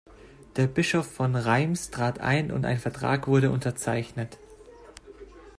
Der Bischof von Reims trat ein und ein Vertrag wurde unterzeichnet.